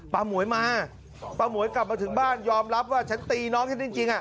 หมวยมาป้าหมวยกลับมาถึงบ้านยอมรับว่าฉันตีน้องฉันจริงอ่ะ